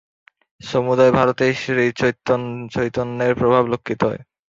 সমুদয় ভারতেই শ্রীচৈতন্যের প্রভাব লক্ষিত হয়।